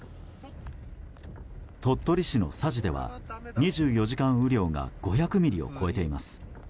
鳥取市の佐治では２４時間雨量が５００ミリを超えています。